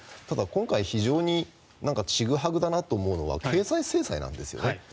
ただ今回、非常にちぐはぐだなと思うのは経済制裁なんですよね。